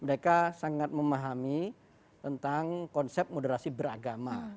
mereka sangat memahami tentang konsep moderasi beragama